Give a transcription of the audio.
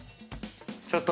ちょっと。